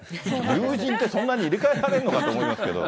友人ってそんなに入れ替えられるのかと思いますけれども。